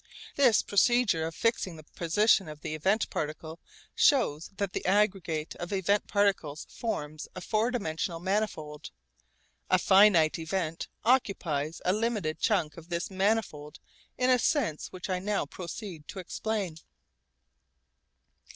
This procedure of fixing the position of an event particle shows that the aggregate of event particles forms a four dimensional manifold. A finite event occupies a limited chunk of this manifold in a sense which I now proceed to explain.